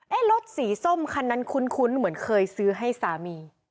รถสีส้มคันนั้นคุ้นเหมือนเคยซื้อให้สามี